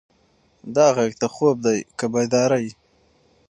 دا غږ د خوب دی که د بیدارۍ؟